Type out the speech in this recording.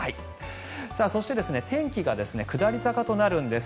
そして、天気が下り坂となるんです。